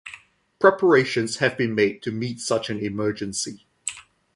Preparations have been made to meet such an emergency.